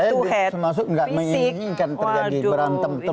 kalau saya tidak menginginkan terjadi berantem